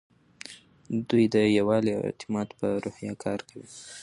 دوی د یووالي او اعتماد په روحیه کار کوي.